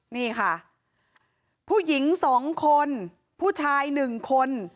นี่ค่ะผู้หญิงสองคนผู้ชายหนึ่งคน